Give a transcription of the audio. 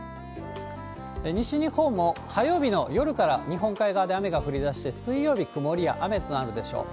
西日本も火曜日の夜から日本海側で雨が降りだして、水曜日、曇りや雨となるでしょう。